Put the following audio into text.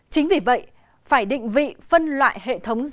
chính vì vậy phải định vị phân loại hệ thống đô thị